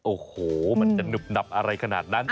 โอ้โหมันจะหนุบหนับอะไรขนาดนั้น